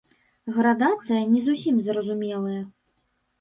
Градацыя не зусім зразумелая.